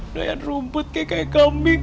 doyan rumput kayak kayak kambing